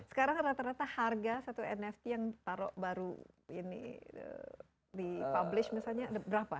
sekarang rata rata harga satu nft yang ditaruh baru ini di publish misalnya ada berapa